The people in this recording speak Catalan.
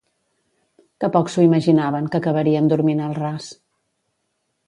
Que poc s'ho imaginaven que acabarien dormint al ras